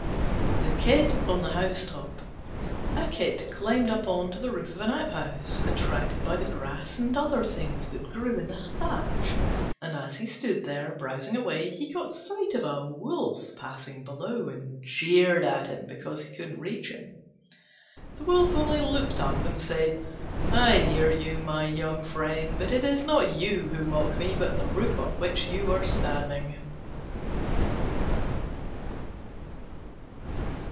THE KID ON THE HOUSETOP A Kid climbed up on to the roof of an outhouse, attracted by the grass and other things that grew in the thatch; and as he stood there browsing away, he caught sight of a Wolf passing below, and jeered at him because he couldn't reach him. The Wolf only looked up and said, "I hear you, my young friend; but it is not you who mock me, but the roof on which you are standing."